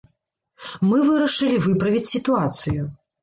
Мы вырашылі выправіць сітуацыю.